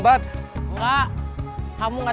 nasib baik nasib baik